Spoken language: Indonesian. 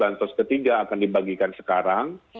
bansos ketiga akan dibagikan sekarang